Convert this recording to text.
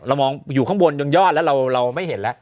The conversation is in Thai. มองอยู่ข้างบนจนยอดแล้วเราไม่เห็นแล้ว